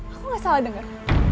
aku gak salah denger